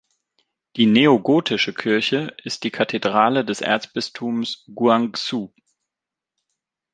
Die neogotische Kirche ist die Kathedrale des Erzbistums Guangzhou.